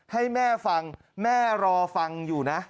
ให้แม่ฟังแม่รอฟังอยู่นะ